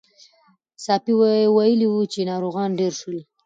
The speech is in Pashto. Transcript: ساپی ویلي وو چې ناروغان ډېر شول.